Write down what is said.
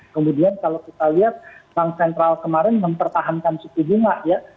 kemudian kalau kita lihat bank sentral kemarin mempertahankan suku bunga ya